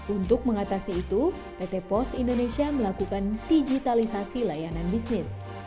untuk mengatasi itu pt pos indonesia melakukan digitalisasi layanan bisnis